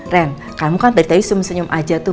ren karenamu kan dari tadi senyum senyum aja tuh